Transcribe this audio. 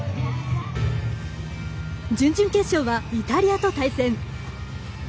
準々決勝はイタリアと対戦。